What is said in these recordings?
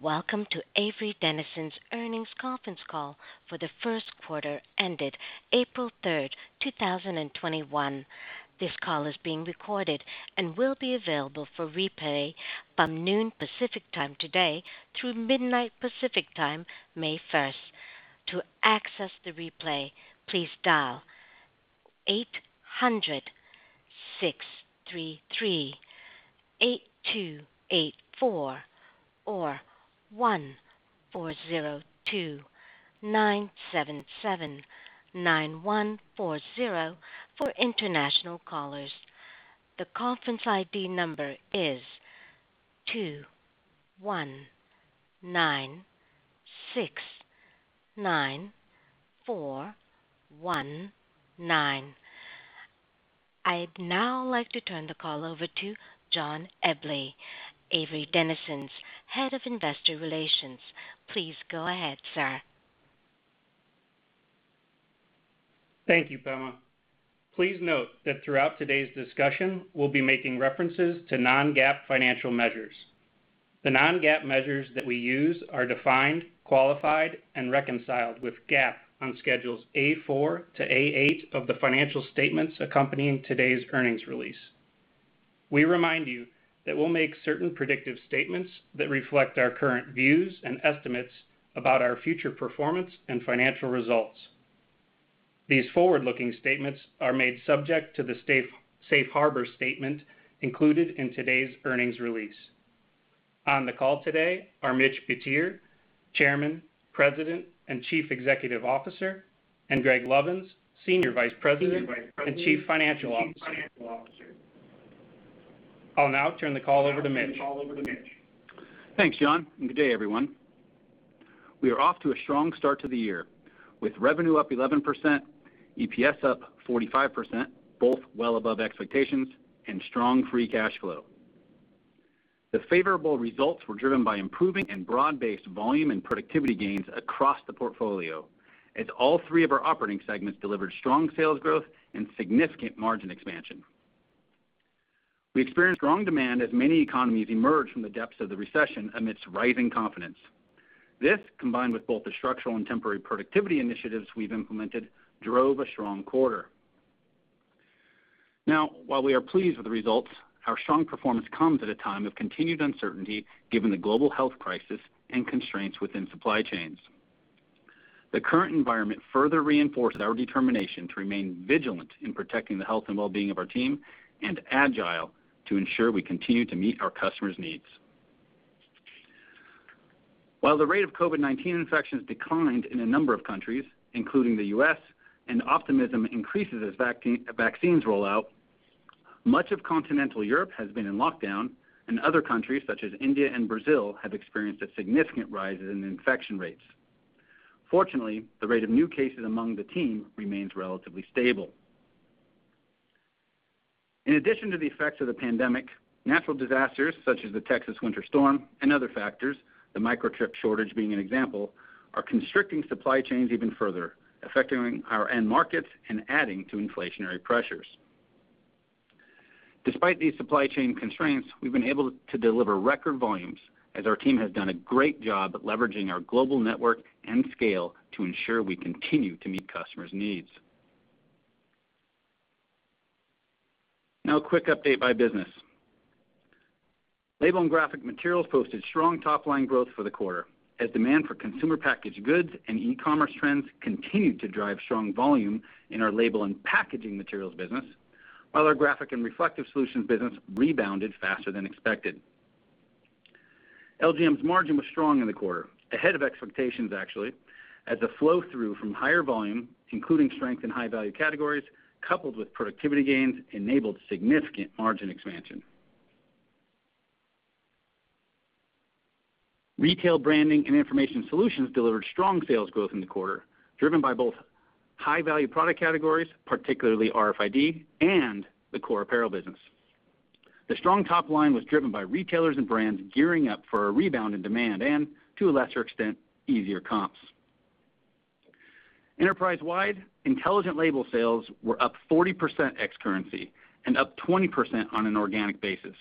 Welcome to Avery Dennison's earnings conference call for the first quarter ended April 3rd, 2021. This call is being recorded and will be available for replay from noon Pacific Time today through midnight Pacific Time, May 1st. To access the replay please dial 86338284 or one or 029779140 for international callers. The conference ID number is 21969419. I'd now like to turn the call over to John Eble, Avery Dennison's Head of Investor Relations. Please go ahead, sir. Thank you, Pema. Please note that throughout today's discussion, we'll be making references to non-GAAP financial measures. The non-GAAP measures that we use are defined, qualified, and reconciled with GAAP on Schedules A4 to A8 of the financial statements accompanying today's earnings release. We remind you that we'll make certain predictive statements that reflect our current views and estimates about our future performance and financial results. These forward-looking statements are made subject to the safe harbor statement included in today's earnings release. On the call today are Mitch Butier, Chairman, President and Chief Executive Officer, and Greg Lovins, Senior Vice President and Chief Financial Officer. I'll now turn the call over to Mitch. Thanks, John, and good day, everyone. We are off to a strong start to the year with revenue up 11%, EPS up 45%, both well above expectations, and strong free cash flow. The favorable results were driven by improving and broad-based volume and productivity gains across the portfolio as all three of our operating segments delivered strong sales growth and significant margin expansion. We experienced strong demand as many economies emerge from the depths of the recession amidst rising confidence. This, combined with both the structural and temporary productivity initiatives we've implemented, drove a strong quarter. Now, while we are pleased with the results, our strong performance comes at a time of continued uncertainty given the global health crisis and constraints within supply chains. The current environment further reinforces our determination to remain vigilant in protecting the health and well-being of our team and agile to ensure we continue to meet our customers' needs. While the rate of COVID-19 infections declined in a number of countries, including the U.S., and optimism increases as vaccines roll out, much of continental Europe has been in lockdown and other countries such as India and Brazil have experienced a significant rise in infection rates. Fortunately, the rate of new cases among the team remains relatively stable. In addition to the effects of the pandemic, natural disasters such as the Texas winter storm and other factors, the microchip shortage being an example, are constricting supply chains even further, affecting our end markets and adding to inflationary pressures. Despite these supply chain constraints, we've been able to deliver record volumes as our team has done a great job at leveraging our global network and scale to ensure we continue to meet customers' needs. Now a quick update by business. Label and Graphic Materials posted strong top-line growth for the quarter as demand for consumer packaged goods and e-commerce trends continued to drive strong volume in our label and packaging materials business, while our graphic and reflective solutions business rebounded faster than expected. LGM's margin was strong in the quarter, ahead of expectations actually, as the flow-through from higher volume, including strength in high-value categories, coupled with productivity gains, enabled significant margin expansion. Retail Branding and Information Solutions delivered strong sales growth in the quarter, driven by both high-value product categories, particularly RFID, and the core apparel business. The strong top line was driven by retailers and brands gearing up for a rebound in demand and, to a lesser extent, easier comps. Enterprise-wide, Intelligent Labels sales were up 40% ex currency and up 20% on an organic basis.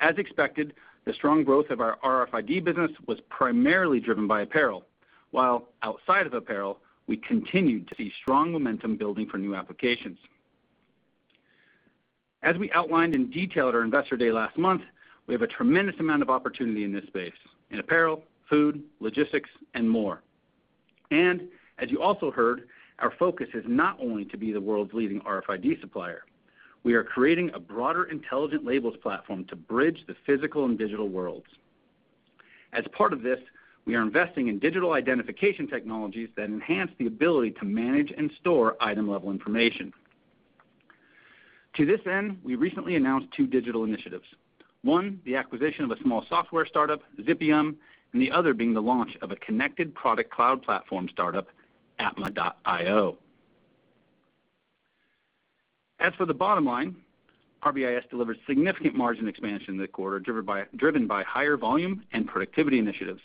As expected, the strong growth of our RFID business was primarily driven by apparel, while outside of apparel, we continued to see strong momentum building for new applications. As we outlined in detail at our Investor Day last month, we have a tremendous amount of opportunity in this space, in apparel, food, logistics, and more. As you also heard, our focus is not only to be the world's leading RFID supplier. We are creating a broader Intelligent Labels platform to bridge the physical and digital worlds. As part of this, we are investing in digital identification technologies that enhance the ability to manage and store item-level information. To this end, we recently announced two digital initiatives. One, the acquisition of a small software startup, ZippyYum, and the other being the launch of a connected product cloud platform, atma.io. As for the bottom line, RBIS delivered significant margin expansion in the quarter, driven by higher volume and productivity initiatives.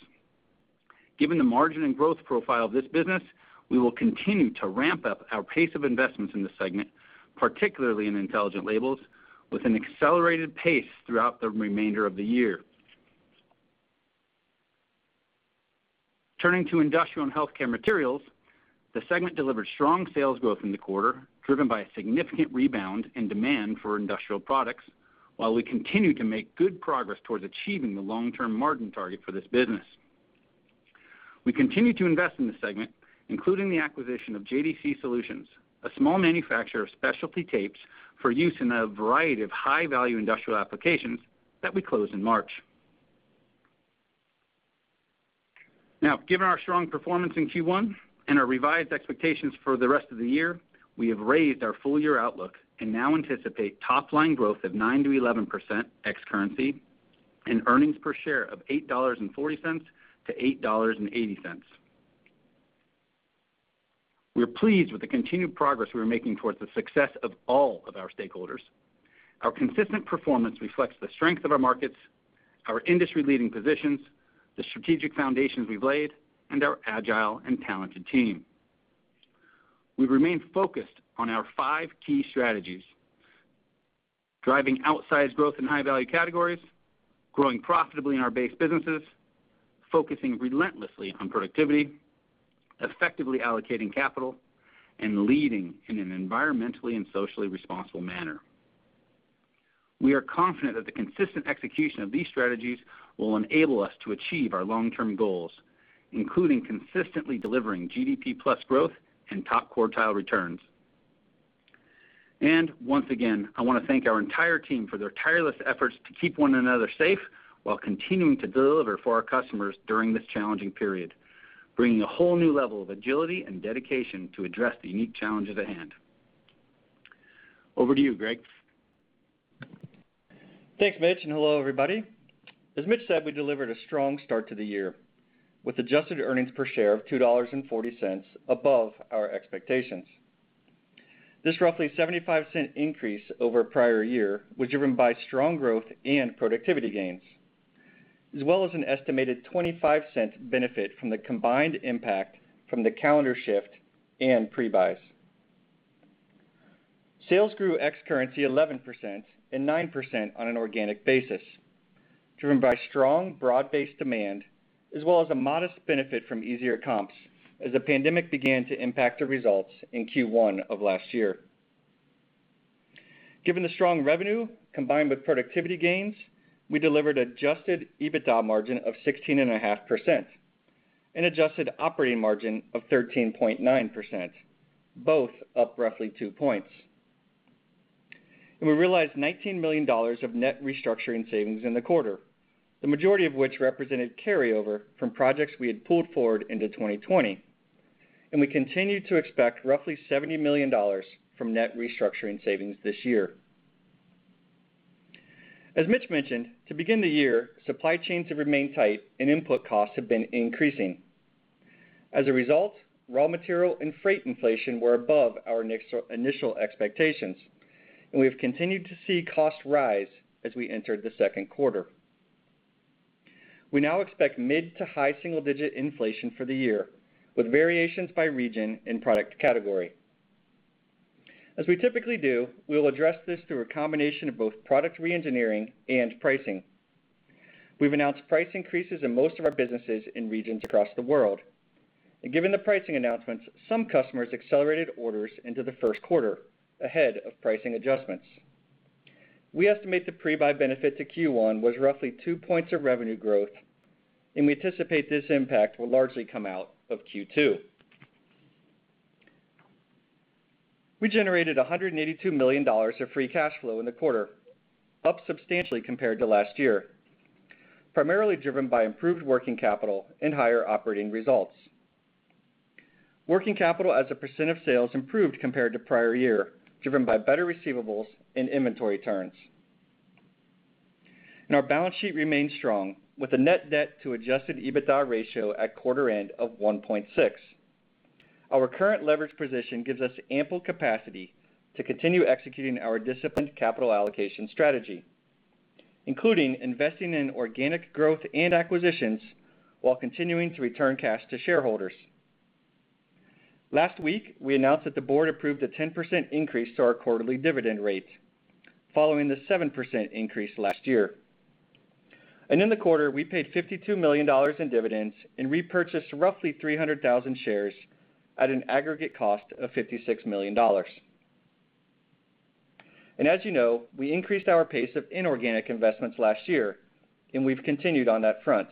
Given the margin and growth profile of this business, we will continue to ramp up our pace of investments in the segment, particularly in intelligent labels, with an accelerated pace throughout the remainder of the year. Turning to Industrial and Healthcare Materials, the segment delivered strong sales growth in the quarter, driven by a significant rebound in demand for industrial products, while we continue to make good progress towards achieving the long-term margin target for this business. We continue to invest in this segment, including the acquisition of JDC Solutions, a small manufacturer of specialty tapes for use in a variety of high-value industrial applications that we closed in March. Now, given our strong performance in Q1 and our revised expectations for the rest of the year, we have raised our full-year outlook and now anticipate top-line growth of 9%-11% ex-currency and earnings per share of $8.40-$8.80. We are pleased with the continued progress we are making towards the success of all of our stakeholders. Our consistent performance reflects the strength of our markets, our industry-leading positions, the strategic foundations we've laid, and our agile and talented team. We remain focused on our five key strategies: driving outsized growth in high-value categories, growing profitably in our base businesses, focusing relentlessly on productivity, effectively allocating capital, and leading in an environmentally and socially responsible manner. We are confident that the consistent execution of these strategies will enable us to achieve our long-term goals, including consistently delivering GDP plus growth and top-quartile returns. Once again, I want to thank our entire team for their tireless efforts to keep one another safe while continuing to deliver for our customers during this challenging period, bringing a whole new level of agility and dedication to address the unique challenges at hand. Over to you, Greg. Thanks, Mitch. Hello, everybody. As Mitch said, we delivered a strong start to the year with adjusted earnings per share of $2.40 above our expectations. This roughly $0.75 increase over prior year was driven by strong growth and productivity gains, as well as an estimated $0.25 benefit from the combined impact from the calendar shift and pre-buys. Sales grew ex-currency 11% and 9% on an organic basis, driven by strong broad-based demand as well as a modest benefit from easier comps as the pandemic began to impact our results in Q1 of last year. Given the strong revenue combined with productivity gains, we delivered adjusted EBITDA margin of 16.5% and adjusted operating margin of 13.9%, both up roughly two points. We realized $19 million of net restructuring savings in the quarter, the majority of which represented carryover from projects we had pulled forward into 2020. We continue to expect roughly $70 million from net restructuring savings this year. As Mitch mentioned, to begin the year, supply chains have remained tight and input costs have been increasing. As a result, raw material and freight inflation were above our initial expectations, and we have continued to see costs rise as we entered the second quarter. We now expect mid to high single-digit inflation for the year, with variations by region and product category. As we typically do, we will address this through a combination of both product re-engineering and pricing. We've announced price increases in most of our businesses in regions across the world. Given the pricing announcements, some customers accelerated orders into the first quarter ahead of pricing adjustments. We estimate the pre-buy benefit to Q1 was roughly two points of revenue growth, and we anticipate this impact will largely come out of Q2. We generated $182 million of free cash flow in the quarter, up substantially compared to last year, primarily driven by improved working capital and higher operating results. Working capital as a percent of sales improved compared to prior year, driven by better receivables and inventory turns. Our balance sheet remains strong with a net debt to adjusted EBITDA ratio at quarter end of 1.6. Our current leverage position gives us ample capacity to continue executing our disciplined capital allocation strategy, including investing in organic growth and acquisitions while continuing to return cash to shareholders. Last week, we announced that the board approved a 10% increase to our quarterly dividend rate following the 7% increase last year. In the quarter, we paid $52 million in dividends and repurchased roughly 300,000 shares at an aggregate cost of $56 million. As you know, we increased our pace of inorganic investments last year, and we've continued on that front,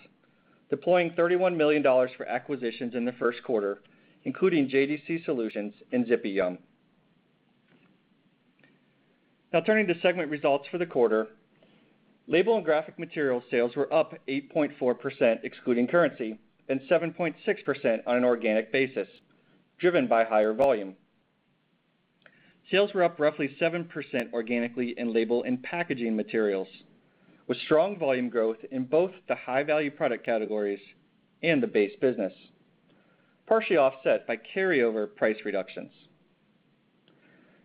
deploying $31 million for acquisitions in the first quarter, including JDC Solutions and ZippyYum. Turning to segment results for the quarter. Label and Graphic Materials sales were up 8.4%, excluding currency, and 7.6% on an organic basis, driven by higher volume. Sales were up roughly 7% organically in Label and Packaging Materials, with strong volume growth in both the high-value product categories and the base business, partially offset by carryover price reductions.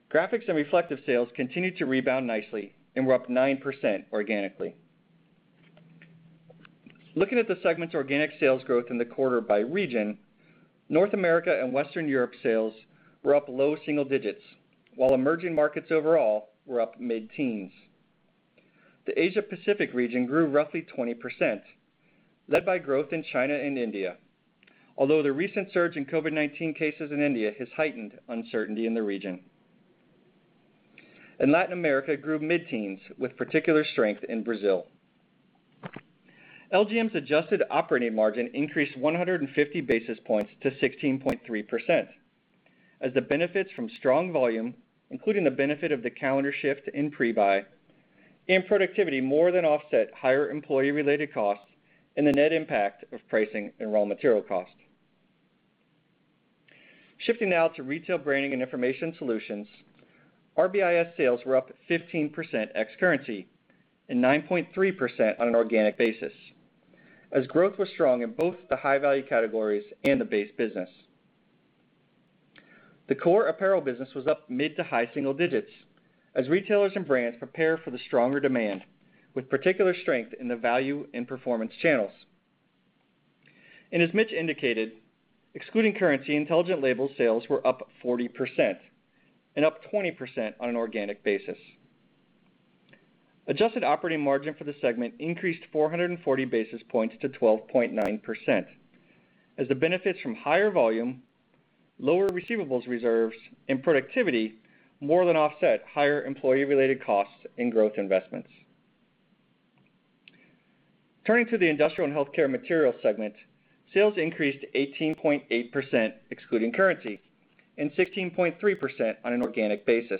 Graphics and Reflective sales continued to rebound nicely and were up 9% organically. Looking at the segment's organic sales growth in the quarter by region, North America and Western Europe sales were up low single digits, while emerging markets overall were up mid-teens. The Asia Pacific region grew roughly 20%, led by growth in China and India, although the recent surge in COVID-19 cases in India has heightened uncertainty in the region. Latin America grew mid-teens, with particular strength in Brazil. LGM's adjusted operating margin increased 150 basis points to 16.3%, as the benefits from strong volume, including the benefit of the calendar shift in pre-buy and productivity, more than offset higher employee-related costs and the net impact of pricing and raw material cost. Shifting now to Retail Branding and Information Solutions, RBIS sales were up 15% ex currency and 9.3% on an organic basis, as growth was strong in both the high-value categories and the base business. The core apparel business was up mid to high single digits as retailers and brands prepare for the stronger demand, with particular strength in the value and performance channels. As Mitch indicated, excluding currency, Intelligent Labels sales were up 40% and up 20% on an organic basis. Adjusted operating margin for the segment increased 440 basis points to 12.9%, as the benefits from higher volume, lower receivables reserves, and productivity more than offset higher employee-related costs and growth investments. Turning to the Industrial and Healthcare Materials segment, sales increased 18.8% excluding currency and 16.3% on an organic basis,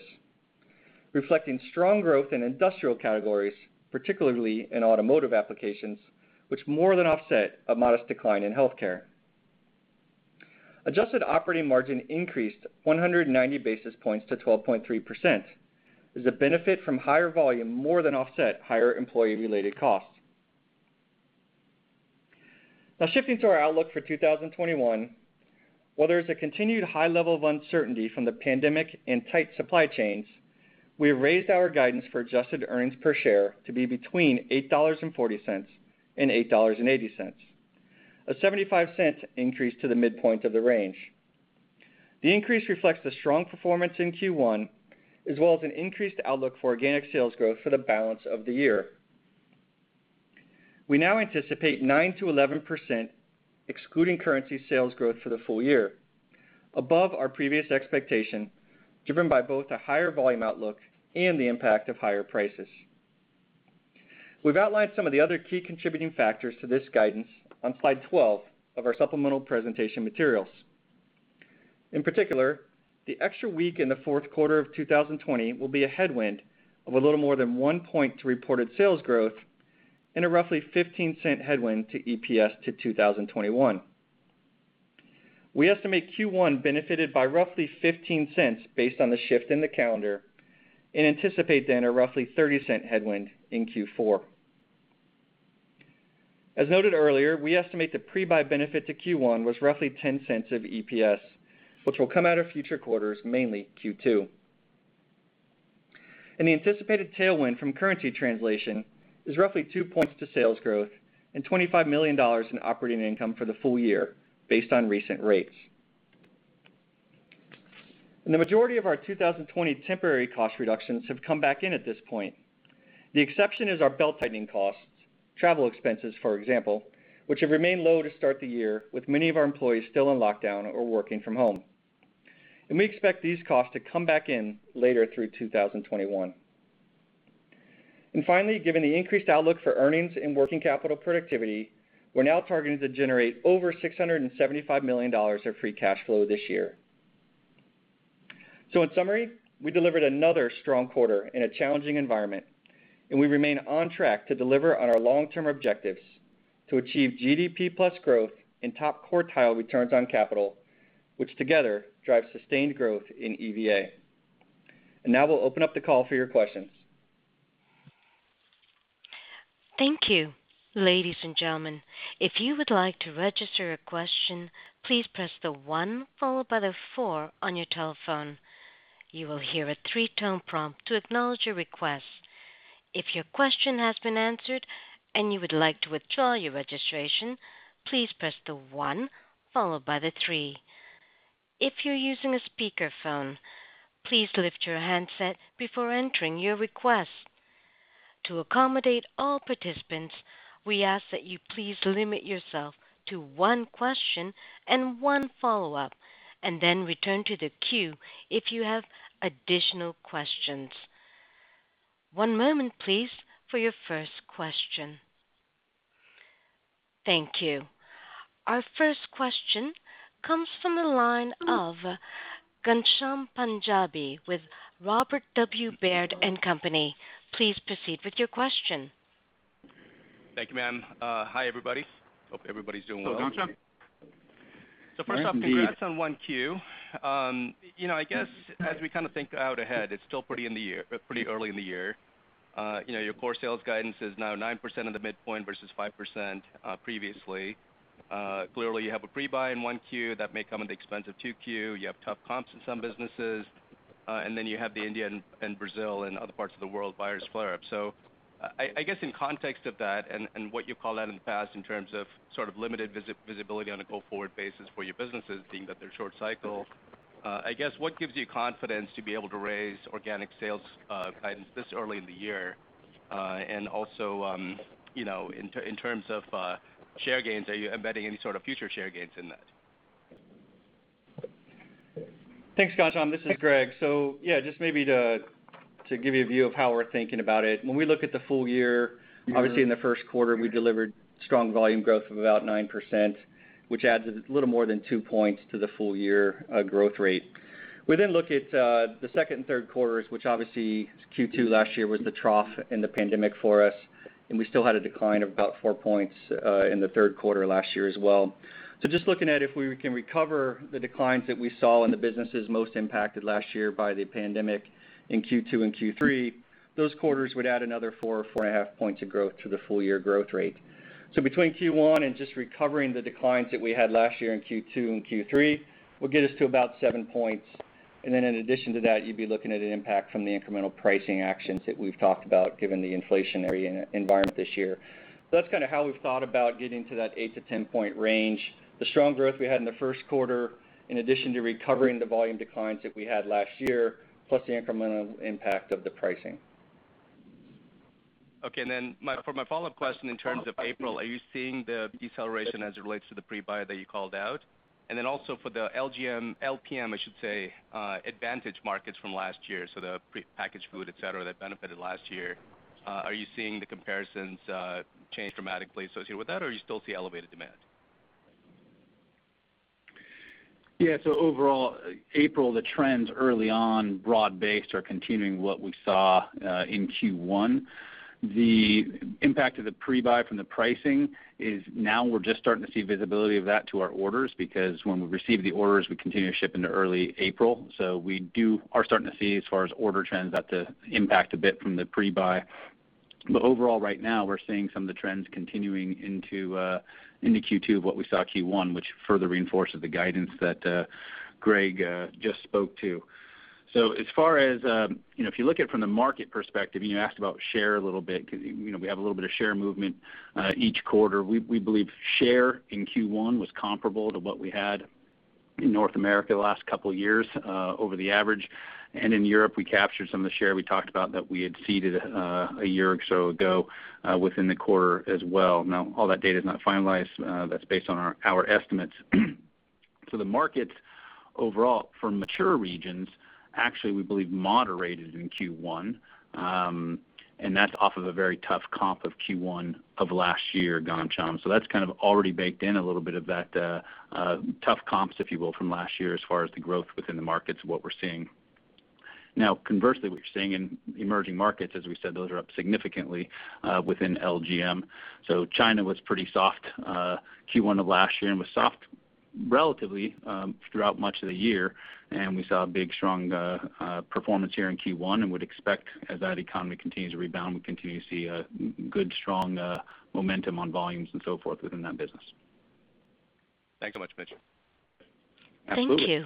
reflecting strong growth in industrial categories, particularly in automotive applications, which more than offset a modest decline in healthcare. Adjusted operating margin increased 190 basis points to 12.3%, as the benefit from higher volume more than offset higher employee-related costs. Shifting to our outlook for 2021. While there is a continued high level of uncertainty from the pandemic and tight supply chains, we have raised our guidance for adjusted earnings per share to be between $8.40 and $8.80, a $0.75 increase to the midpoint of the range. The increase reflects the strong performance in Q1, as well as an increased outlook for organic sales growth for the balance of the year. We now anticipate 9%-11% excluding currency sales growth for the full year, above our previous expectation, driven by both a higher volume outlook and the impact of higher prices. We've outlined some of the other key contributing factors to this guidance on slide 12 of our supplemental presentation materials. In particular, the extra week in the fourth quarter of 2020 will be a headwind of a little more than one point to reported sales growth and a roughly $0.15 headwind to EPS to 2021. We estimate Q1 benefited by roughly $0.15 based on the shift in the calendar and anticipate then a roughly $0.30 headwind in Q4. As noted earlier, we estimate the pre-buy benefit to Q1 was roughly $0.10 of EPS, which will come out of future quarters, mainly Q2. The anticipated tailwind from currency translation is roughly two points to sales growth and $25 million in operating income for the full year based on recent rates. The majority of our 2020 temporary cost reductions have come back in at this point. The exception is our belt-tightening costs, travel expenses, for example, which have remained low to start the year, with many of our employees still on lockdown or working from home. We expect these costs to come back in later through 2021. Finally, given the increased outlook for earnings and working capital productivity, we're now targeting to generate over $675 million of free cash flow this year. In summary, we delivered another strong quarter in a challenging environment, and we remain on track to deliver on our long-term objectives to achieve GDP plus growth and top quartile returns on capital, which together drive sustained growth in EVA. Now we'll open up the call for your questions. Thank you. Ladies and gentlemen, if you would like to register a question, please press the one followed by the four on your telephone. You will hear a three-tone prompt to acknowledge your request. If your question has been answered and you would like to withdraw your registration, please press the one followed by the three. If you're using a speakerphone, please lift your handset before entering your request. To accommodate all participants, we ask that you please limit yourself to one question and one follow-up, and then return to the queue if you have additional questions. One moment, please, for your first question. Thank you. Our first question comes from the line of Ghansham Panjabi with Robert W. Baird & Co.. Please proceed with your question. Thank you, ma'am. Hi, everybody. Hope everybody's doing well. Hello, Ghansham. First off, congrats on 1Q. I guess as we think out ahead, it's still pretty early in the year. Your core sales guidance is now 9% of the midpoint versus 5% previously. Clearly, you have a pre-buy in 1Q that may come at the expense of 2Q. You have tough comps in some businesses, and then you have the India and Brazil and other parts of the world virus flare up. I guess in context of that and what you've called out in the past in terms of limited visibility on a go-forward basis for your businesses, being that they're short cycle, I guess, what gives you confidence to be able to raise organic sales guidance this early in the year? Also, in terms of share gains, are you embedding any sort of future share gains in that? Thanks, Ghansham. This is Greg. Yeah, just maybe to give you a view of how we're thinking about it. When we look at the full year, obviously in the first quarter, we delivered strong volume growth of about 9%, which adds a little more than two points to the full-year growth rate. We look at the second and third quarters, which obviously Q2 last year was the trough in the pandemic for us, and we still had a decline of about four points, in the third quarter last year as well. Just looking at if we can recover the declines that we saw in the businesses most impacted last year by the pandemic in Q2 and Q3, those quarters would add another four or four and a half points of growth to the full-year growth rate. Between Q1 and just recovering the declines that we had last year in Q2 and Q3 will get us to about seven points. Then in addition to that, you'd be looking at an impact from the incremental pricing actions that we've talked about, given the inflationary environment this year. That's kind of how we've thought about getting to that 8 to 10-point range. The strong growth we had in the first quarter, in addition to recovering the volume declines that we had last year, plus the incremental impact of the pricing. Okay. For my follow-up question, in terms of April, are you seeing the deceleration as it relates to the pre-buy that you called out? Also for the LGM, LPM, I should say, advantage markets from last year, so the packaged food, et cetera, that benefited last year, are you seeing the comparisons change dramatically associated with that, or are you still seeing elevated demand? Yeah. Overall, April, the trends early on, broad-based, are continuing what we saw in Q1. The impact of the pre-buy from the pricing is now we're just starting to see visibility of that to our orders, because when we receive the orders, we continue to ship into early April. We are starting to see, as far as order trends, that the impact a bit from the pre-buy. Overall, right now, we're seeing some of the trends continuing into Q2 of what we saw Q1, which further reinforces the guidance that Greg just spoke to. As far as, if you look at it from the market perspective, and you asked about share a little bit, because we have a little bit of share movement, each quarter. We believe share in Q1 was comparable to what we had in North America the last couple of years, over the average. In Europe, we captured some of the share we talked about that we had ceded a year or so ago, within the quarter as well. All that data is not finalized. That's based on our estimates. The markets overall for mature regions, actually, we believe moderated in Q1, and that's off of a very tough comp of Q1 of last year, Ghansham. That's kind of already baked in a little bit of that, tough comps, if you will, from last year, as far as the growth within the markets, what we're seeing. Conversely, what we're seeing in emerging markets, as we said, those are up significantly, within LGM. China was pretty soft Q1 of last year and was soft relatively throughout much of the year. We saw a big strong performance here in Q1 and would expect as that economy continues to rebound, we continue to see a good strong momentum on volumes and so forth within that business. Thanks so much, Mitch. Absolutely. Thank you.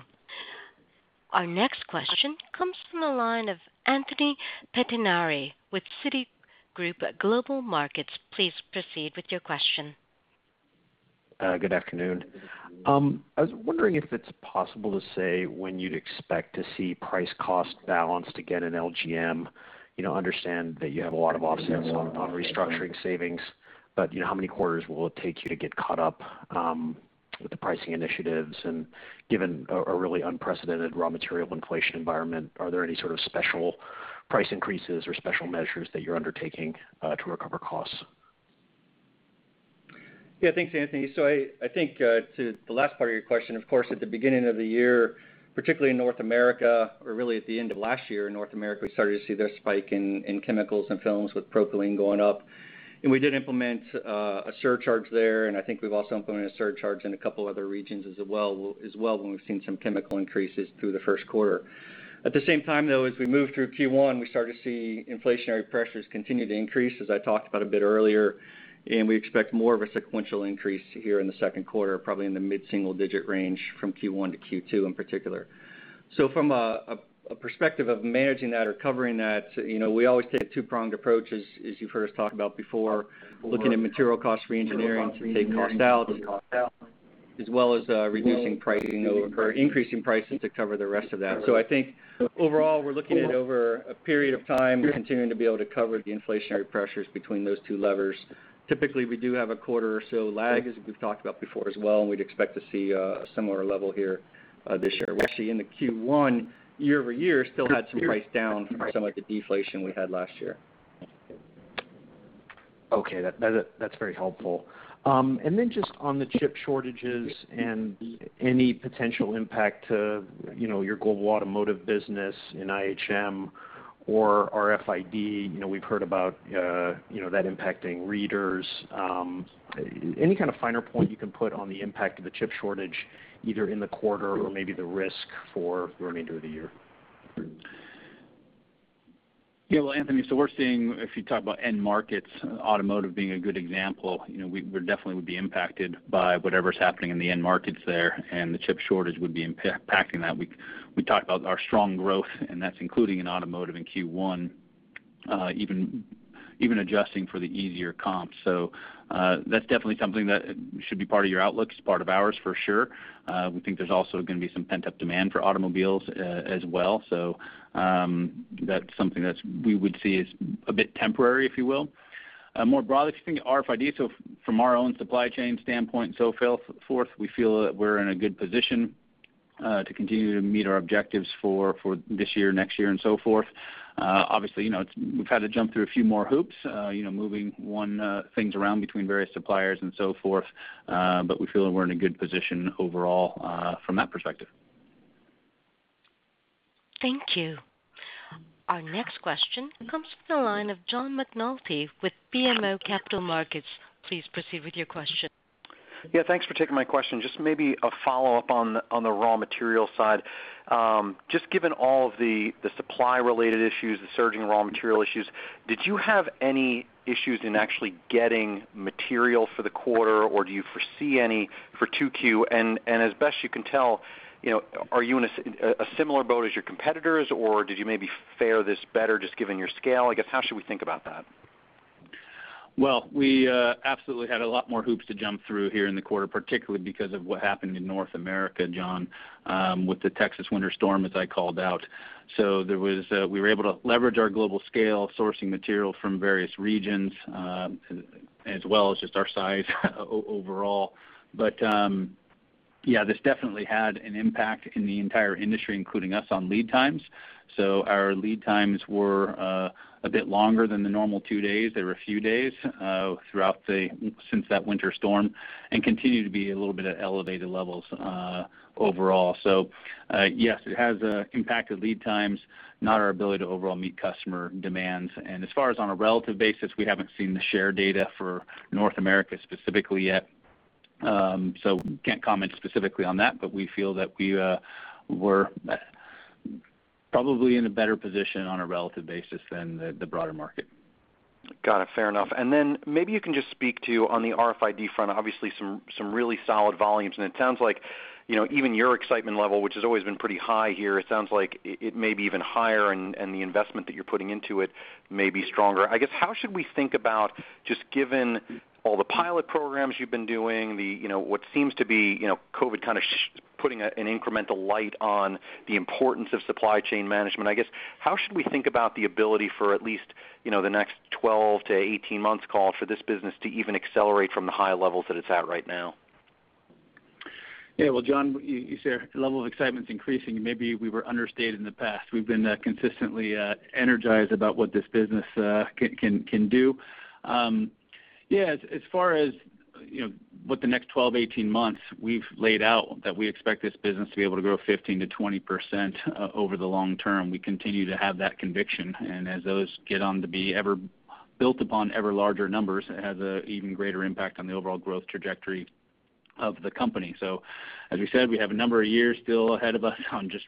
Our next question comes from the line of Anthony Pettinari with Citigroup Global Markets. Please proceed with your question. Good afternoon. I was wondering if it's possible to say when you'd expect to see price-cost balance to get in LGM. Understand that you have a lot of offsets on restructuring savings, how many quarters will it take you to get caught up, with the pricing initiatives? Given a really unprecedented raw material inflation environment, are there any sort of special price increases or special measures that you're undertaking to recover costs? Yeah, thanks, Anthony. I think, to the last part of your question, of course, at the beginning of the year, particularly in North America, or really at the end of last year in North America, we started to see their spike in chemicals and films with propylene going up. We did implement a surcharge there, and I think we've also implemented a surcharge in a couple other regions as well, when we've seen some chemical increases through the first quarter. At the same time, though, as we moved through Q1, we started to see inflationary pressures continue to increase, as I talked about a bit earlier, and we expect more of a sequential increase here in the second quarter, probably in the mid-single-digit range from Q1 to Q2 in particular. From a perspective of managing that or covering that, we always take a two-pronged approach, as you've heard us talk about before, looking at material cost reengineering to take cost out, as well as reducing pricing over, or increasing pricing to cover the rest of that. I think overall, we're looking at over a period of time continuing to be able to cover the inflationary pressures between those two levers. Typically, we do have a quarter or so lag, as we've talked about before as well, and we'd expect to see a similar level here, this year. We're seeing the Q1 year-over-year still had some price down from some of the deflation we had last year. Okay. That's very helpful. Then just on the chip shortages and any potential impact to your global automotive business in IHM or RFID. We've heard about that impacting readers. Any kind of finer point you can put on the impact of the chip shortage, either in the quarter or maybe the risk for the remainder of the year? Well, Anthony, we're seeing, if you talk about end markets, automotive being a good example, we definitely would be impacted by whatever's happening in the end markets there, and the chip shortage would be impacting that. We talked about our strong growth, and that's including in automotive in Q1, even adjusting for the easier comps. That's definitely something that should be part of your outlook. It's part of ours for sure. We think there's also going to be some pent-up demand for automobiles as well. That's something that we would see as a bit temporary, if you will. More broadly, if you think of RFID, from our own supply chain standpoint and so forth, we feel that we're in a good position to continue to meet our objectives for this year, next year, and so forth. We've had to jump through a few more hoops, moving things around between various suppliers and so forth. We feel that we're in a good position overall, from that perspective. Thank you. Our next question comes from the line of John McNulty with BMO Capital Markets. Please proceed with your question. Yeah, thanks for taking my question. Just maybe a follow-up on the raw material side. Just given all of the supply-related issues, the surging raw material issues, did you have any issues in actually getting material for the quarter, or do you foresee any for 2Q? As best you can tell, are you in a similar boat as your competitors, or did you maybe fare this better, just given your scale? I guess, how should we think about that? Well, we absolutely had a lot more hoops to jump through here in the quarter, particularly because of what happened in North America, John, with the Texas winter storm, as I called out. We were able to leverage our global scale, sourcing material from various regions, as well as just our size overall. Yeah, this definitely had an impact in the entire industry, including us on lead times. Our lead times were a bit longer than the normal 2 days. They were a few days since that Texas winter storm, and continue to be a little bit at elevated levels overall. Yes, it has impacted lead times, not our ability to overall meet customer demands. As far as on a relative basis, we haven't seen the share data for North America specifically yet, so can't comment specifically on that. We feel that we were probably in a better position on a relative basis than the broader market. Got it. Fair enough. Maybe you can just speak to, on the RFID front, obviously some really solid volumes, and it sounds like even your excitement level, which has always been pretty high here, it sounds like it may be even higher, and the investment that you're putting into it may be stronger. I guess, how should we think about just given all the pilot programs you've been doing, what seems to be COVID kind of putting an incremental light on the importance of supply chain management, I guess, how should we think about the ability for at least the next 12 to 18 months call for this business to even accelerate from the high levels that it's at right now? Well, John, you say our level of excitement's increasing. Maybe we were understated in the past. We've been consistently energized about what this business can do. As far as what the next 12, 18 months, we've laid out that we expect this business to be able to grow 15%-20% over the long term. We continue to have that conviction. As those get on to be built upon ever larger numbers, it has an even greater impact on the overall growth trajectory of the company. As we said, we have a number of years still ahead of us on just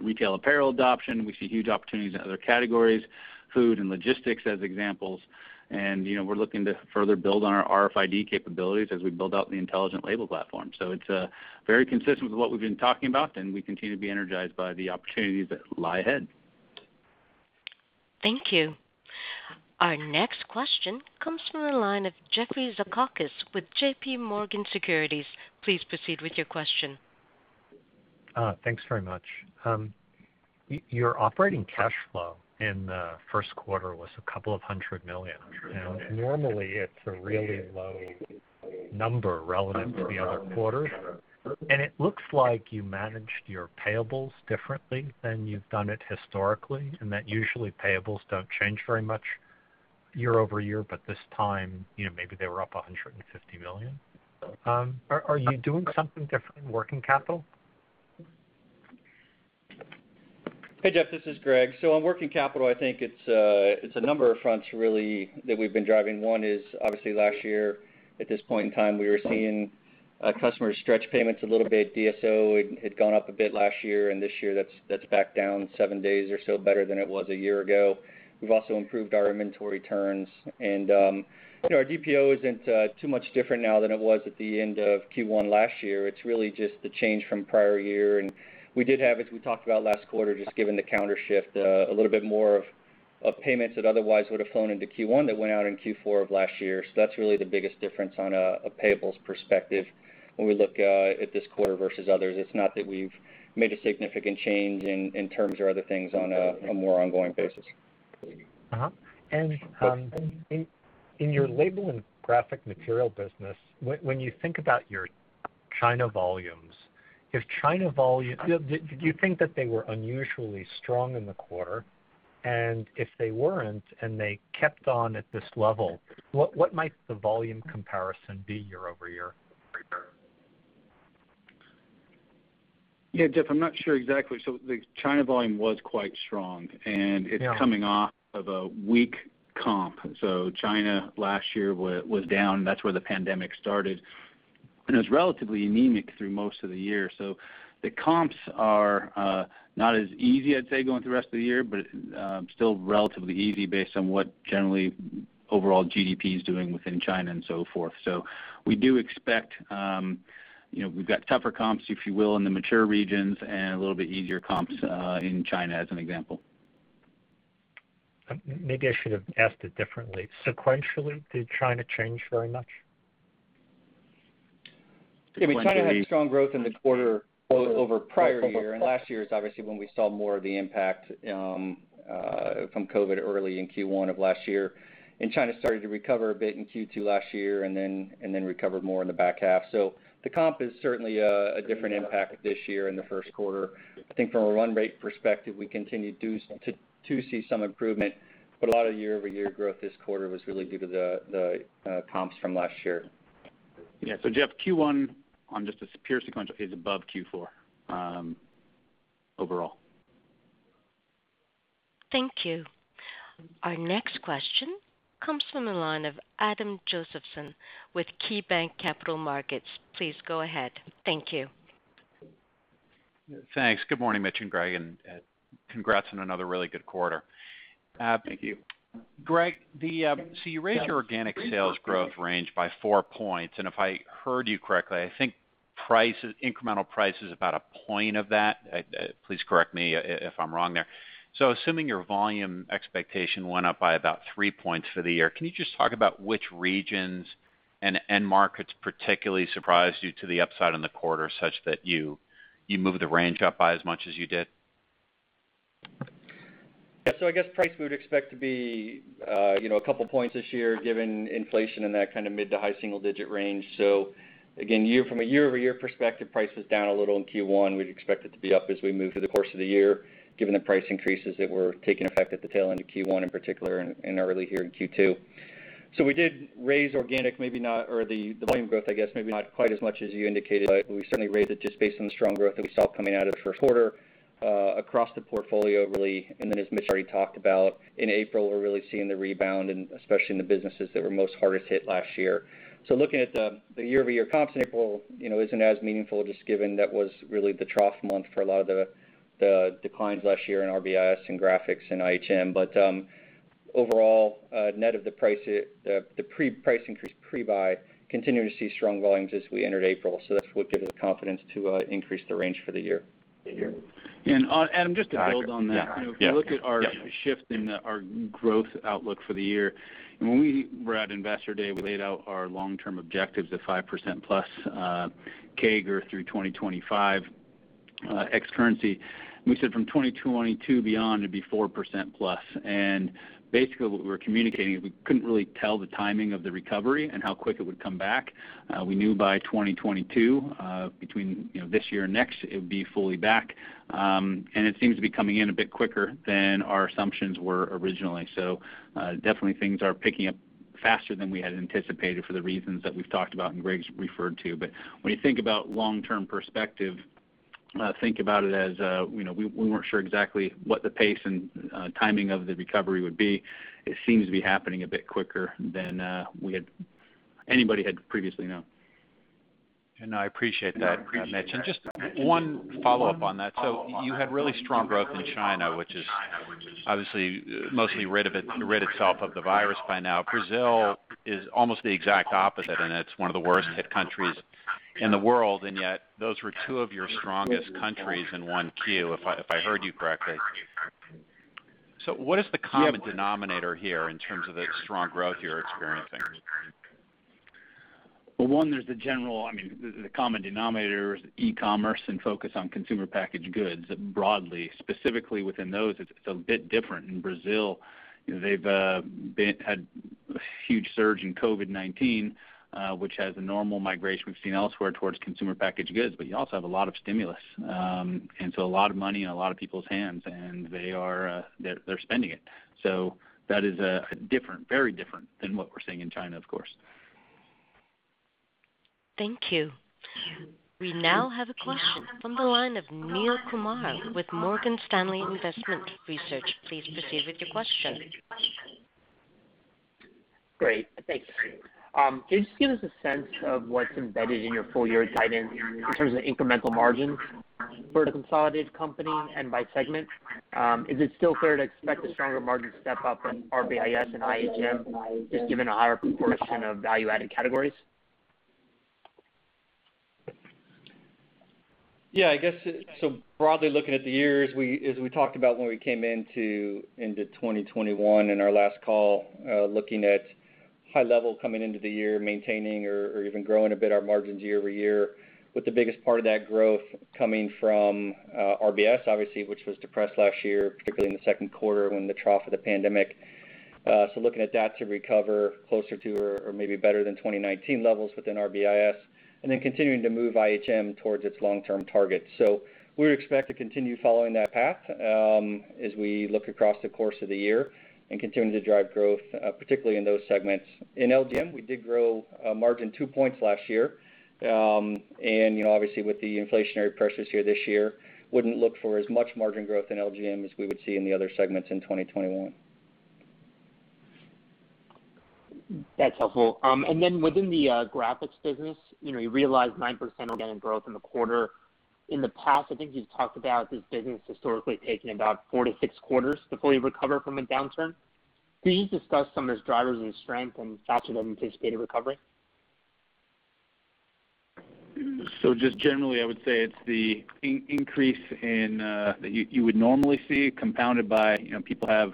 retail apparel adoption. We see huge opportunities in other categories, food and logistics as examples. We're looking to further build on our RFID capabilities as we build out the Intelligent Labels platform. It's very consistent with what we've been talking about, and we continue to be energized by the opportunities that lie ahead. Thank you. Our next question comes from the line of Jeffrey Zekauskas with JPMorgan Securities. Please proceed with your question. Thanks very much. Your operating cash flow in the first quarter was $200 million. Normally it's a really low number relative to the other quarters. It looks like you managed your payables differently than you've done it historically. That usually payables don't change very much year-over-year, this time maybe they were up $150 million. Are you doing something different in working capital? Hey, Jeffrey, this is Greg. On working capital, I think it's a number of fronts really that we've been driving. One is obviously last year at this point in time, we were seeing customers stretch payments a little bit. DSO had gone up a bit last year, and this year that's back down seven days or so, better than it was a year ago. We've also improved our inventory turns. Our DPO isn't too much different now than it was at the end of Q1 last year. It's really just the change from prior year. We did have, as we talked about last quarter, just given the calendar shift, a little bit more of payments that otherwise would've flown into Q1 that went out in Q4 of last year. That's really the biggest difference on a payables perspective when we look at this quarter versus others. It's not that we've made a significant change in terms or other things on a more ongoing basis. In your Label and Graphic Materials business, when you think about your China volumes. Do you think that they were unusually strong in the quarter? If they weren't and they kept on at this level, what might the volume comparison be year-over-year? Yeah, Jeff, I'm not sure exactly. The China volume was quite strong, and it's coming off of a weak comp. China last year was down. That's where the pandemic started, and it was relatively anemic through most of the year. The comps are not as easy, I'd say, going through the rest of the year, but still relatively easy based on what generally overall GDP is doing within China and so forth. We do expect, we've got tougher comps, if you will, in the mature regions and a little bit easier comps in China as an example. Maybe I should have asked it differently. Sequentially, did China change very much? Sequentially- Yeah, China had strong growth in the quarter over prior year. Last year is obviously when we saw more of the impact from COVID-19 early in Q1 of last year. China started to recover a bit in Q2 last year and then recovered more in the back half. The comp is certainly a different impact this year in the first quarter. I think from a run rate perspective, we continue to see some improvement, but a lot of year-over-year growth this quarter was really due to the comps from last year. Yeah. Jeff, Q1 on just a pure sequential is above Q4 overall. Thank you. Our next question comes from the line of Adam Josephson with KeyBanc Capital Markets. Please go ahead. Thank you. Thanks. Good morning, Mitch and Greg, and congrats on another really good quarter. Thank you. Greg, you raised your organic sales growth range by four points, and if I heard you correctly, I think incremental price is about a point of that. Please correct me if I'm wrong there. Assuming your volume expectation went up by about three points for the year, can you just talk about which regions and end markets particularly surprised you to the upside in the quarter such that you moved the range up by as much as you did? I guess price we would expect to be a couple points this year, given inflation in that kind of mid-to-high single-digit range. Again, from a year-over-year perspective, price was down a little in Q1. We'd expect it to be up as we move through the course of the year, given the price increases that were taking effect at the tail end of Q1 in particular and early here in Q2. We did raise organic, or the volume growth, I guess maybe not quite as much as you indicated, but we certainly raised it just based on the strong growth that we saw coming out of the first quarter across the portfolio, really. As Mitch already talked about, in April, we're really seeing the rebound, and especially in the businesses that were most hardest hit last year. Looking at the year-over-year comps in April isn't as meaningful, just given that was really the trough month for a lot of the declines last year in RBIS and Graphics and IHM. Overall, net of the price increase pre-buy, continuing to see strong volumes as we entered April. That's what gave us confidence to increase the range for the year. Adam, just to build on that. Yeah. If you look at our shift in our growth outlook for the year, when we were at Investor Day, we laid out our long-term objectives of 5%+ CAGR through 2025 ex currency. We said from 2022 beyond, it'd be 4%+. Basically what we were communicating is we couldn't really tell the timing of the recovery and how quick it would come back. We knew by 2022, between this year and next, it would be fully back. It seems to be coming in a bit quicker than our assumptions were originally. Definitely things are picking up faster than we had anticipated for the reasons that we've talked about and Greg's referred to. When you think about long-term perspective, think about it as we weren't sure exactly what the pace and timing of the recovery would be. It seems to be happening a bit quicker than anybody had previously known. I appreciate that, Mitch. Just one follow-up on that. You had really strong growth in China, which is obviously mostly rid itself of the virus by now. Brazil is almost the exact opposite, and it's one of the worst hit countries in the world, and yet those were two of your strongest countries in 1Q, if I heard you correctly. What is the common denominator here in terms of the strong growth you're experiencing? Well, one, there's the general, I mean, the common denominator is e-commerce and focus on consumer packaged goods broadly. Specifically within those, it's a bit different. In Brazil, they've had a huge surge in COVID-19, which has a normal migration we've seen elsewhere towards consumer packaged goods, but you also have a lot of stimulus. A lot of money in a lot of people's hands, and they're spending it. That is very different than what we're seeing in China, of course. Thank you. We now have a question from the line of Neel Kumar with Morgan Stanley Investment Research. Please proceed with your question. Great. Thanks. Can you just give us a sense of what's embedded in your full year guidance in terms of incremental margins for the consolidated company and by segment? Is it still fair to expect a stronger margin step-up in RBIS and IHM, just given a higher proportion of value-added categories? Yeah, I guess broadly looking at the year, as we talked about when we came into 2021 in our last call, looking at high level coming into the year, maintaining or even growing a bit our margins year-over-year, with the biggest part of that growth coming from RBIS obviously, which was depressed last year, particularly in the second quarter when the trough of the pandemic. Looking at that to recover closer to or maybe better than 2019 levels within RBIS, and then continuing to move IHM towards its long-term target. We would expect to continue following that path as we look across the course of the year and continuing to drive growth, particularly in those segments. In LGM, we did grow margin two points last year. Obviously, with the inflationary pressures here this year, wouldn't look for as much margin growth in LGM as we would see in the other segments in 2021. That's helpful. Then within the graphics business, you realized 9% organic growth in the quarter. In the past, I think you've talked about this business historically taking about four to six quarters before you recover from a downturn. Could you just discuss some of those drivers of strength and factors that would anticipate a recovery? Just generally, I would say it's the increase that you would normally see, compounded by people have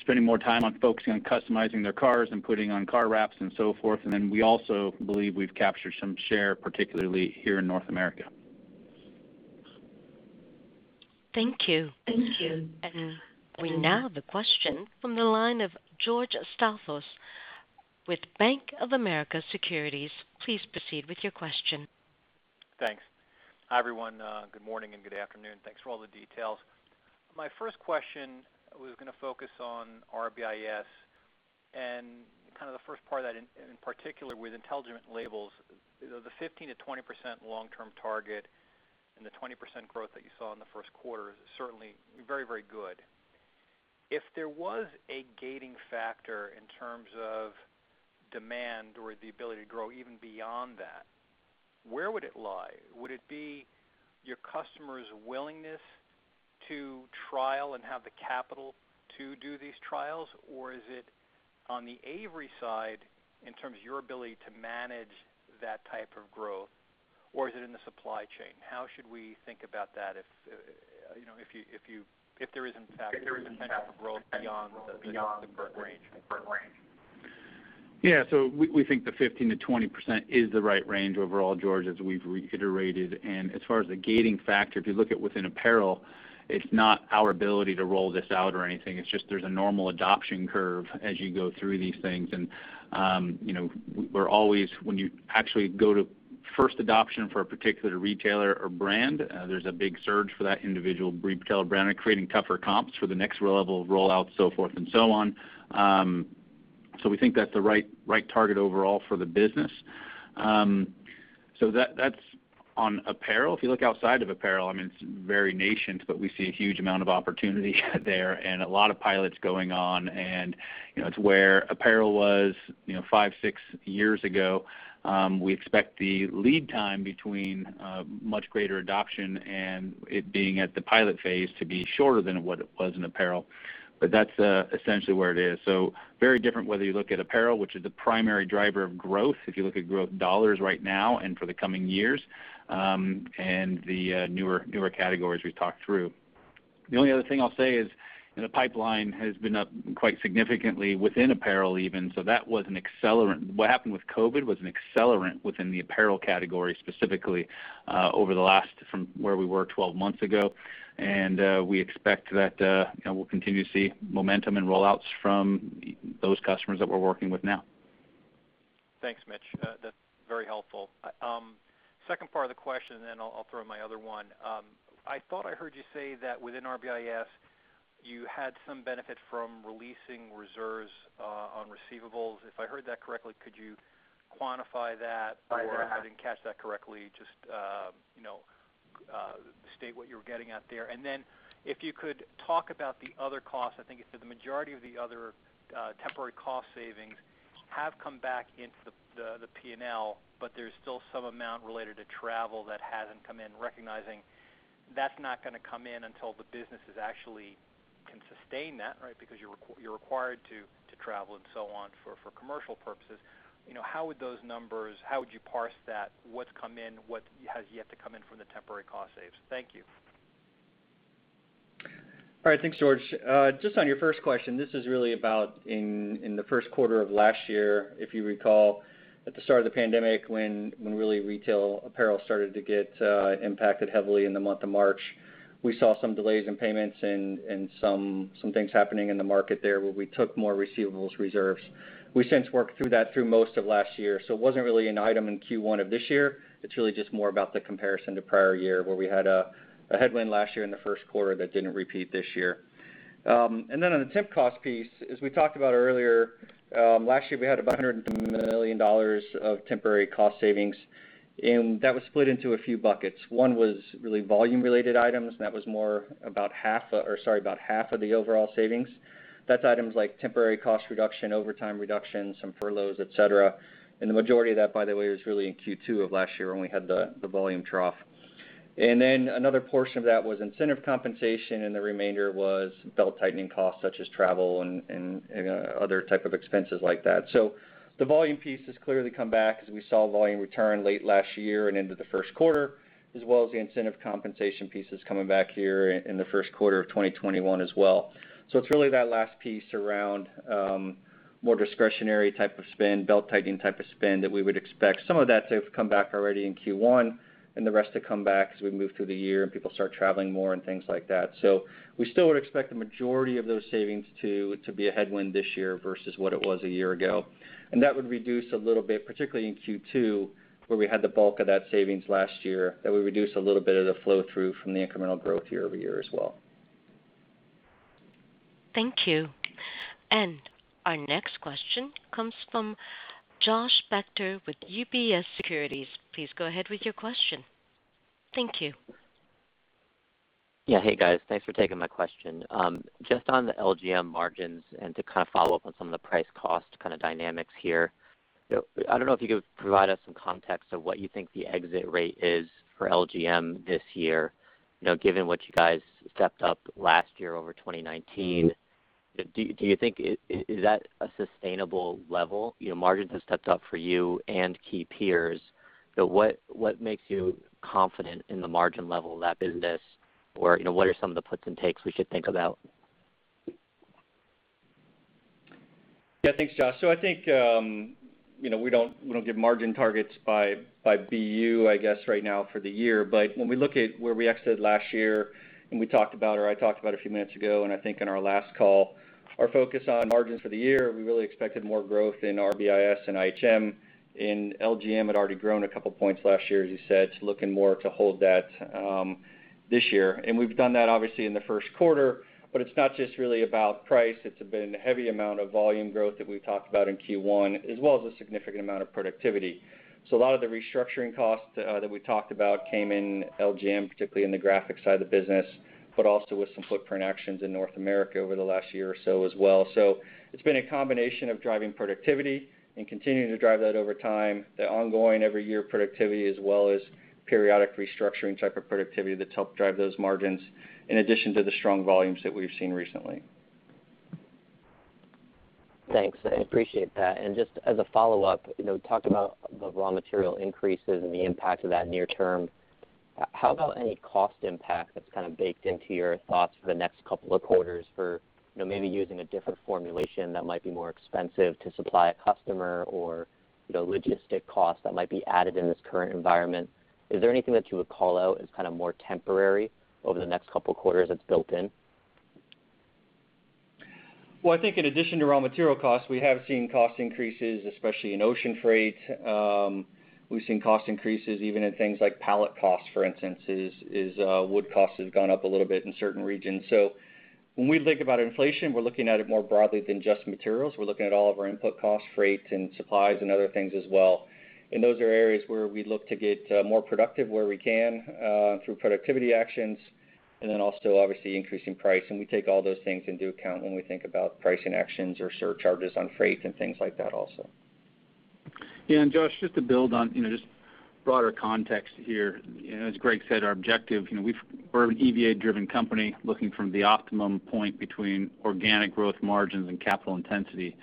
spending more time on focusing on customizing their cars and putting on car wraps and so forth. Then we also believe we've captured some share, particularly here in North America. Thank you. We now have a question from the line of George Staphos with Bank of America Securities. Please proceed with your question. Thanks. Hi, everyone. Good morning and good afternoon. Thanks for all the details. My first question was going to focus on RBIS and kind of the first part of that, in particular with Intelligent Labels. The 15%-20% long-term target and the 20% growth that you saw in the first quarter is certainly very good. If there was a gating factor in terms of demand or the ability to grow even beyond that, where would it lie? Would it be your customers' willingness to trial and have the capital to do these trials? Is it on the Avery side in terms of your ability to manage that type of growth, or is it in the supply chain? How should we think about that if there is, in fact, potential for growth beyond the current range? Yeah. We think the 15%-20% is the right range overall, George, as we've reiterated. As far as the gating factor, if you look at within apparel, it's not our ability to roll this out or anything, it's just there's a normal adoption curve as you go through these things. When you actually go to first adoption for a particular retailer or brand, there's a big surge for that individual retailer brand, creating tougher comps for the next level of rollout, so forth and so on. We think that's the right target overall for the business. That's on apparel. If you look outside of apparel, it's very nascent, but we see a huge amount of opportunity there and a lot of pilots going on. It's where apparel was five, six years ago. We expect the lead time between much greater adoption and it being at the pilot phase to be shorter than what it was in apparel. That's essentially where it is. Very different whether you look at apparel, which is the primary driver of growth, if you look at growth dollars right now and for the coming years, and the newer categories we've talked through. The only other thing I'll say is the pipeline has been up quite significantly within apparel even, so that was an accelerant. What happened with COVID-19 was an accelerant within the apparel category, specifically from where we were 12 months ago. We expect that we'll continue to see momentum and rollouts from those customers that we're working with now. Thanks, Mitch. That's very helpful. Second part of the question, I'll throw in my other one. I thought I heard you say that within RBIS, you had some benefit from releasing reserves on receivables. If I heard that correctly, could you quantify that? If I didn't catch that correctly, just state what you were getting at there. If you could talk about the other costs. I think you said the majority of the other temporary cost savings have come back into the P&L, but there's still some amount related to travel that hasn't come in, recognizing that's not going to come in until the business actually can sustain that, right? Because you're required to travel and so on for commercial purposes. How would you parse that? What's come in, what has yet to come in from the temporary cost saves? Thank you. Thanks, George. Just on your first question, this is really about in the first quarter of last year, if you recall, at the start of the pandemic, when really retail apparel started to get impacted heavily in the month of March. We saw some delays in payments and some things happening in the market there where we took more receivables reserves. We since worked through that through most of last year. It wasn't really an item in Q1 of this year. It's really just more about the comparison to prior year, where we had a headwind last year in the first quarter that didn't repeat this year. On the temp cost piece, as we talked about earlier, last year, we had about $102 million of temporary cost savings, and that was split into a few buckets. One was really volume-related items, that was about half of the overall savings. That's items like temporary cost reduction, overtime reduction, some furloughs, et cetera. The majority of that, by the way, was really in Q2 of last year when we had the volume trough. Another portion of that was incentive compensation, and the remainder was belt-tightening costs such as travel and other type of expenses like that. The volume piece has clearly come back as we saw volume return late last year and into the first quarter, as well as the incentive compensation pieces coming back here in the first quarter of 2021 as well. It's really that last piece around More discretionary type of spend, belt-tightening type of spend that we would expect some of that to have come back already in Q1 and the rest to come back as we move through the year and people start traveling more and things like that. We still would expect the majority of those savings to be a headwind this year versus what it was a year ago. That would reduce a little bit, particularly in Q2, where we had the bulk of that savings last year, that would reduce a little bit of the flow-through from the incremental growth year-over-year as well. Thank you. Our next question comes from Josh Spector with UBS Securities. Please go ahead with your question. Thank you. Yeah. Hey, guys. Thanks for taking my question. Just on the LGM margins and to kind of follow up on some of the price cost kind of dynamics here, I don't know if you could provide us some context of what you think the exit rate is for LGM this year, given what you guys stepped up last year over 2019. Do you think, is that a sustainable level? Margins have stepped up for you and key peers. What makes you confident in the margin level of that business? What are some of the puts and takes we should think about? Yeah, thanks, Josh. I think, we don't give margin targets by BU, I guess, right now for the year. When we look at where we exited last year and we talked about, or I talked about a few minutes ago, and I think in our last call, our focus on margins for the year, we really expected more growth in RBIS and IHM. LGM had already grown a couple of points last year, as you said, looking more to hold that this year. We've done that obviously in the first quarter, it's not just really about price. It's been a heavy amount of volume growth that we've talked about in Q1, as well as a significant amount of productivity. A lot of the restructuring costs that we talked about came in LGM, particularly in the graphic side of the business, but also with some footprint actions in North America over the last year or so as well. It's been a combination of driving productivity and continuing to drive that over time, the ongoing every year productivity, as well as periodic restructuring type of productivity that's helped drive those margins in addition to the strong volumes that we've seen recently. Thanks. I appreciate that. Just as a follow-up, talk about the raw material increases and the impact of that near term. How about any cost impact that's kind of baked into your thoughts for the next couple of quarters for maybe using a different formulation that might be more expensive to supply a customer or logistic costs that might be added in this current environment? Is there anything that you would call out as kind of more temporary over the next couple of quarters that's built in? Well, I think in addition to raw material costs, we have seen cost increases, especially in ocean freight. We've seen cost increases even in things like pallet costs, for instance, as wood cost has gone up a little bit in certain regions. When we think about inflation, we're looking at it more broadly than just materials. We're looking at all of our input costs, freight and supplies and other things as well. Those are areas where we look to get more productive where we can through productivity actions, and then also obviously increasing price. We take all those things into account when we think about pricing actions or surcharges on freight and things like that also. Yeah. Josh, just to build on, just broader context here. As Greg said, our objective, we're an EVA-driven company looking from the optimum point between organic growth margins and capital intensity.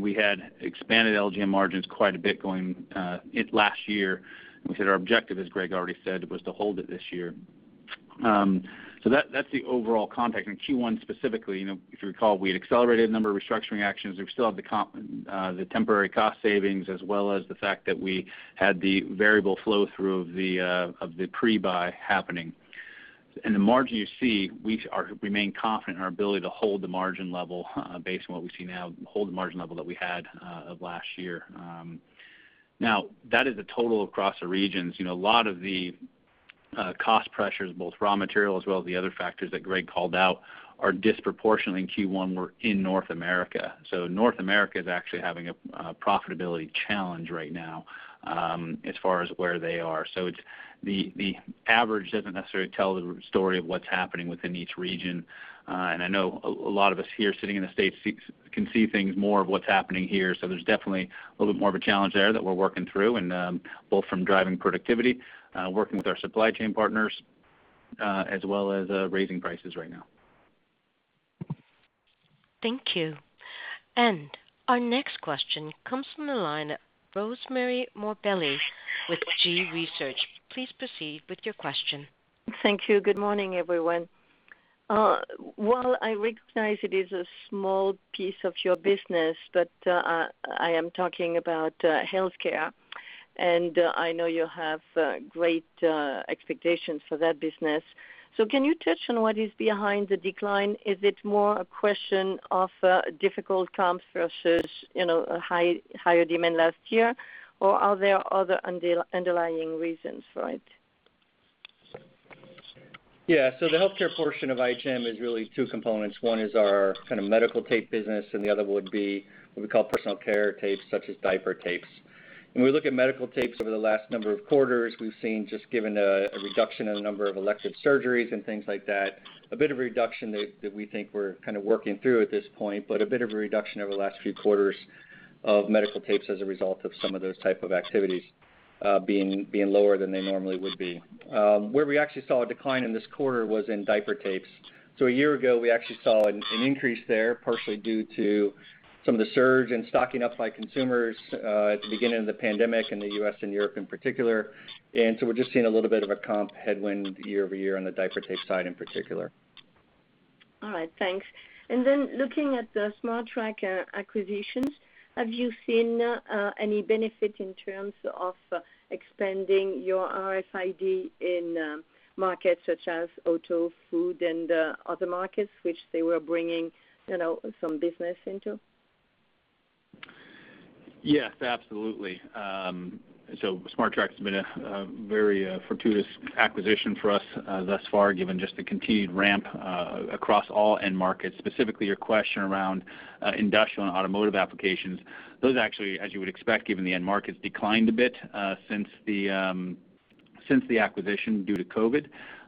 We had expanded LGM margins quite a bit going into last year. We said our objective, as Greg already said, was to hold it this year. That's the overall context. In Q1 specifically, if you recall, we had accelerated a number of restructuring actions. We still have the temporary cost savings, as well as the fact that we had the variable flow-through of the pre-buy happening. The margin you see, we remain confident in our ability to hold the margin level based on what we see now, hold the margin level that we had of last year. Now, that is a total across the regions. A lot of the cost pressures, both raw material as well as the other factors that Greg called out, are disproportionate in Q1 were in North America. North America is actually having a profitability challenge right now as far as where they are. The average doesn't necessarily tell the story of what's happening within each region. I know a lot of us here sitting in the States can see things more of what's happening here. There's definitely a little bit more of a challenge there that we're working through and, both from driving productivity, working with our supply chain partners, as well as raising prices right now. Thank you. Our next question comes from the line, Rosemarie Morbelli with G.Research. Please proceed with your question. Thank you. Good morning, everyone. While I recognize it is a small piece of your business, but I am talking about healthcare, and I know you have great expectations for that business. Can you touch on what is behind the decline? Is it more a question of difficult comps versus higher demand last year? Are there other underlying reasons for it? Yeah. The healthcare portion of IHM is really two components. One is our kind of medical tape business, and the other would be what we call personal care tapes, such as diaper tapes. When we look at medical tapes over the last number of quarters, we've seen just given a reduction in the number of elective surgeries and things like that, a bit of a reduction that we think we're kind of working through at this point, but a bit of a reduction over the last few quarters of medical tapes as a result of some of those type of activities being lower than they normally would be. Where we actually saw a decline in this quarter was in diaper tapes. A year ago, we actually saw an increase there, partially due to some of the surge and stocking up by consumers at the beginning of the pandemic in the U.S. and Europe in particular. We're just seeing a little bit of a comp headwind year-over-year on the diaper tape side in particular. All right, thanks. Looking at the Smartrac acquisitions, have you seen any benefit in terms of expanding your RFID in markets such as auto, food, and other markets, which they were bringing some business into? Yes, absolutely. Smartrac has been a very fortuitous acquisition for us thus far, given just the continued ramp across all end markets, specifically your question around industrial and automotive applications. Those actually, as you would expect, given the end markets declined a bit since the acquisition due to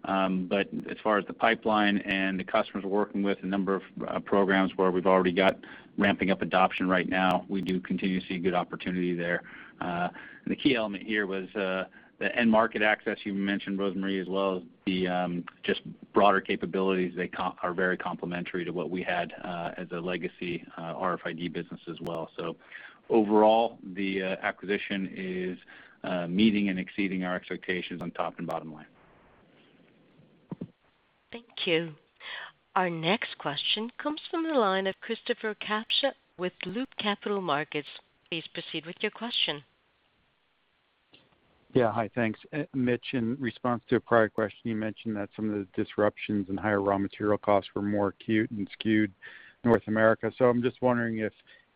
COVID-19. As far as the pipeline and the customers we're working with, a number of programs where we've already got ramping up adoption right now, we do continue to see good opportunity there. The key element here was the end market access you mentioned, Rosemarie, as well as the just broader capabilities. They are very complementary to what we had as a legacy RFID business as well. Overall, the acquisition is meeting and exceeding our expectations on top and bottom line. Thank you. Our next question comes from the line of Christopher Kapsch with Loop Capital Markets. Please proceed with your question. Yeah. Hi, thanks. Mitch, in response to a prior question, you mentioned that some of the disruptions and higher raw material costs were more acute and skewed North America. I'm just wondering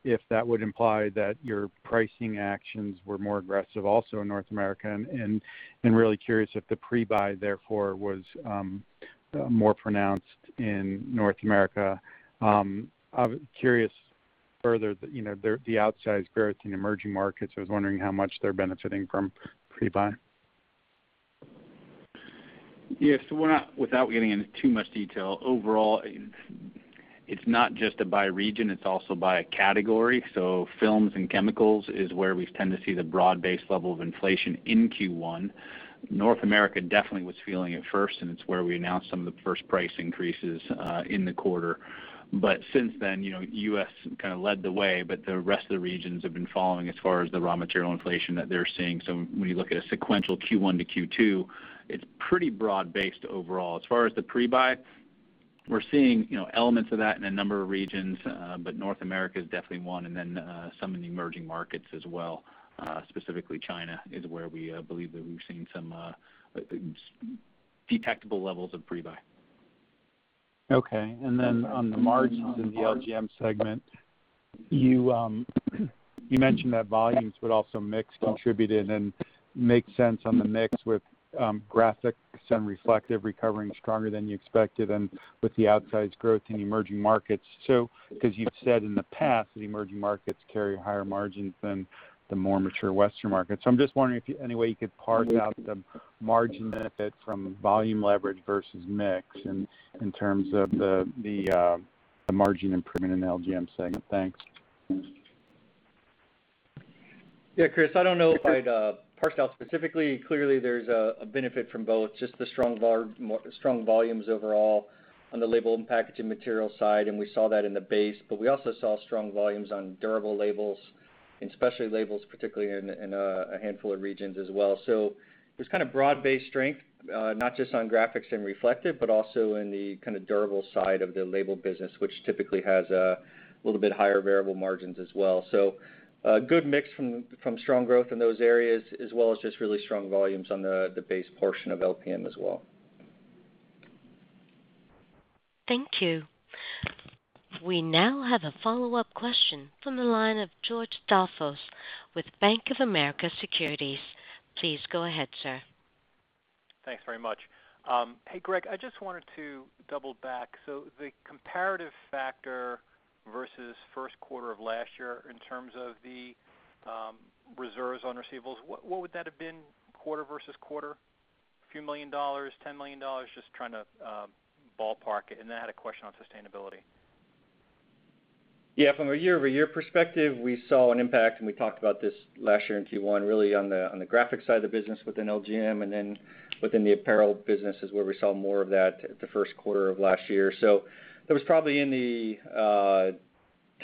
if that would imply that your pricing actions were more aggressive also in North America, and I'm really curious if the pre-buy, therefore, was more pronounced in North America. I'm curious further that the outsized growth in emerging markets, I was wondering how much they're benefiting from pre-buy. Yeah. Without getting into too much detail, overall, it's not just by region, it's also by category. Films and chemicals is where we've tended to see the broad-based level of inflation in Q1. North America definitely was feeling it first, and it's where we announced some of the first price increases in the quarter. Since then, U.S. kind of led the way, but the rest of the regions have been following as far as the raw material inflation that they're seeing. When you look at a sequential Q1 to Q2, it's pretty broad-based overall. As far as the pre-buy, we're seeing elements of that in a number of regions. North America is definitely one, and then some of the emerging markets as well. Specifically China is where we believe that we've seen some detectable levels of pre-buy. On the margins in the LGM segment, you mentioned that volumes, but also mix contributed, and makes sense on the mix with Graphic, some Reflective recovering stronger than you expected, and with the outsized growth in emerging markets. Because you've said in the past that emerging markets carry higher margins than the more mature Western markets. I'm just wondering if any way you could parse out the margin benefit from volume leverage versus mix, and in terms of the margin improvement in the LGM segment. Thanks. Yeah, Chris, I don't know if I'd parse out specifically. Clearly, there's a benefit from both, just the strong volumes overall on the label and packaging material side. We saw that in the base. We also saw strong volumes on durable labels and specialty labels, particularly in a handful of regions as well. There's kind of broad-based strength, not just on graphics and reflective, but also in the kind of durable side of the label business, which typically has a little bit higher variable margins as well. A good mix from strong growth in those areas, as well as just really strong volumes on the base portion of LPM as well. Thank you. We now have a follow-up question from the line of George Staphos with Bank of America Securities. Please go ahead, sir. Thanks very much. Hey, Greg, I just wanted to double back. The comparative factor versus first quarter of last year in terms of the reserves on receivables, what would that have been quarter versus quarter? Few million dollars, $10 million? Just trying to ballpark it. I had a question on sustainability. Yeah, from a year-over-year perspective, we saw an impact, and we talked about this last year in Q1, really on the graphic side of the business within LGM and then within the apparel business is where we saw more of that the first quarter of last year. That was probably in the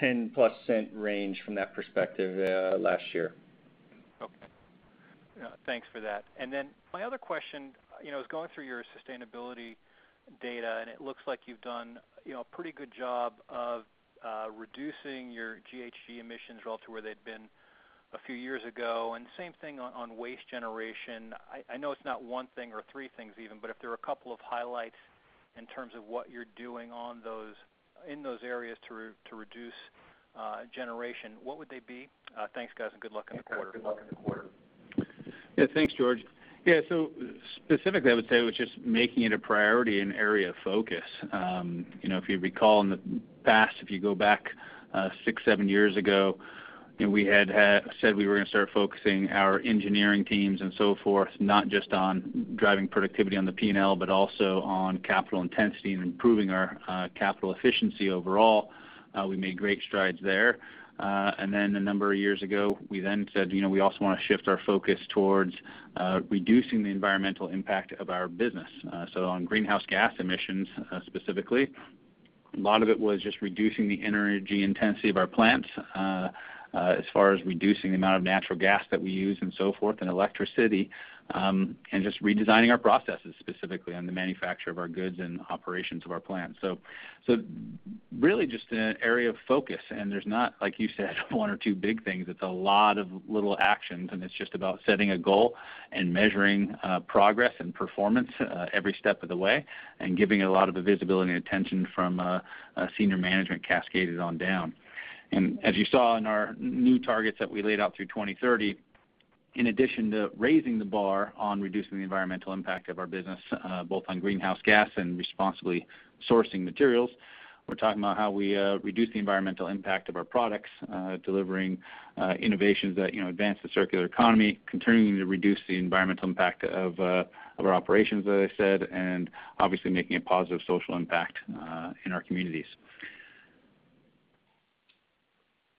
+10% range from that perspective last year. Okay. Thanks for that. My other question, I was going through your sustainability data, and it looks like you've done a pretty good job of reducing your GHG emissions relative to where they'd been a few years ago, and same thing on waste generation. I know it's not one thing or three things even, but if there are a couple of highlights in terms of what you're doing in those areas to reduce generation, what would they be? Thanks, guys, and good luck on the quarter. Yeah, thanks, George. Yeah, specifically, I would say it was just making it a priority and area of focus. If you recall in the past, if you go back six, seven years ago, we had said we were going to start focusing our engineering teams and so forth, not just on driving productivity on the P&L, but also on capital intensity and improving our capital efficiency overall. We made great strides there. A number of years ago, we then said we also want to shift our focus towards reducing the environmental impact of our business. On greenhouse gas emissions, specifically. A lot of it was just reducing the energy intensity of our plants, as far as reducing the amount of natural gas that we use and so forth, and electricity, and just redesigning our processes specifically on the manufacture of our goods and operations of our plants. Really just an area of focus, and there's not, like you said, one or two big things. It's a lot of little actions, and it's just about setting a goal and measuring progress and performance every step of the way and giving it a lot of the visibility and attention from senior management cascaded on down. As you saw in our new targets that we laid out through 2030, in addition to raising the bar on reducing the environmental impact of our business, both on greenhouse gas and responsibly sourcing materials, we're talking about how we reduce the environmental impact of our products, delivering innovations that advance the circular economy, continuing to reduce the environmental impact of our operations, as I said, and obviously making a positive social impact in our communities.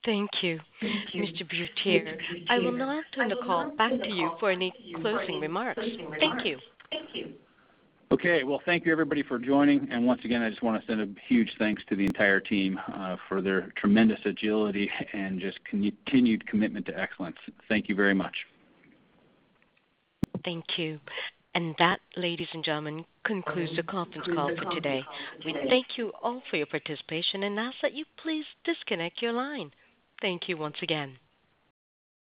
Thank you, Mr. Butier. I will now turn the call back to you for any closing remarks. Thank you. Okay. Well, thank you, everybody, for joining. Once again, I just want to send a huge thanks to the entire team for their tremendous agility and just continued commitment to excellence. Thank you very much. Thank you. That, ladies and gentlemen, concludes the conference call for today. We thank you all for your participation and ask that you please disconnect your line. Thank you once again.